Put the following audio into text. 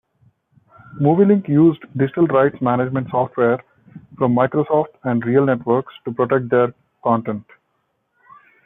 Movielink used digital rights management software from Microsoft and RealNetworks to protect their content.